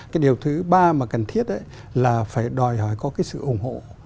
cái điều thứ ba mà cần thiết là phải đòi hỏi có cái sự ủng hộ